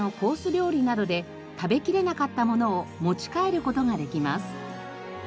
料理などで食べきれなかったものを持ち帰る事ができます。